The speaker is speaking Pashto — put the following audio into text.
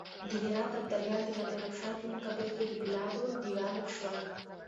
د هرات ابدالیان د نادرافشار په مقابل کې د فولادو دېوال شول.